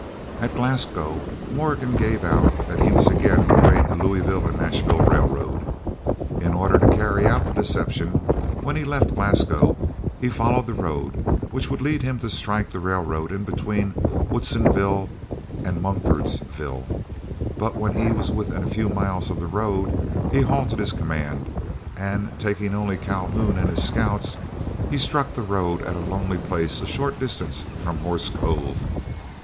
At Glasgow Morgan gave out that he was again to raid the Louisville and Nashville Railroad. In order to carry out the deception, when he left Glasgow he followed the road which would lead him to strike the railroad in between Woodsonville and Mumfordsville; but when he was within a few miles of the road, he halted his command, and taking only Calhoun and his scouts, he struck the road at a lonely place a short distance from Horse Cove.